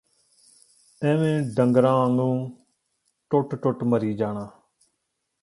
ਐਵੇਂ ਡੰਗਰਾਂ ਆਂਗੂੰ ਟੁੱਟ ਟੁੱਟ ਮਰੀ ਜਾਣਾ